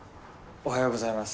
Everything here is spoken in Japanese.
おはようございます！